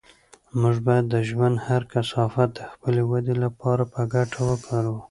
موږ باید د ژوند هر کثافت د خپلې ودې لپاره په ګټه وکاروو.